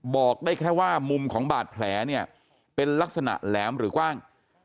บอกได้แค่ว่ามุมของบาดแผลเนี่ยเป็นลักษณะแหลมหรือกว้าง